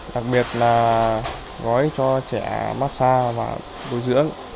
đặc biệt là gói cho trẻ massage và bồi dưỡng